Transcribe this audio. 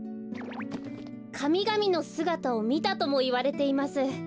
かみがみのすがたをみたともいわれています。